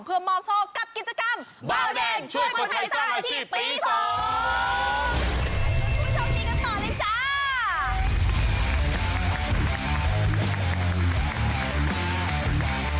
เพื่อมอบโชคกับกิจกรรมเบาแดงช่วยคนไทยสร้างอาชีพปีสอง